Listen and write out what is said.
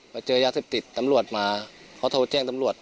เจอยาเสพติดตำรวจมาเขาโทรแจ้งตำรวจ